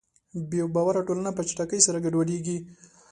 بېباوره ټولنه په چټکۍ سره ګډوډېږي.